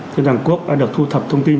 thương đồng quốc đã được thu thập thông tin